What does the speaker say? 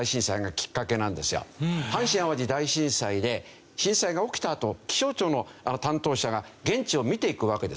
阪神・淡路大震災で震災が起きたあと気象庁の担当者が現地を見ていくわけですね。